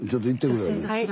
はい。